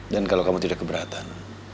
kalau kamu tidak keberatan